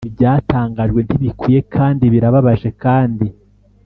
ibyatangajwe ntibikwiye kandi birababaje, kandi